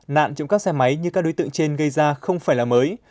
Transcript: nạn trong các xe máy như các đối tượng trên gây ra không phải là mới